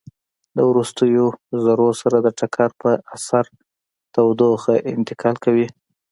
د وروستیو ذرو سره د ټکر په اثر تودوخه انتقال کوي.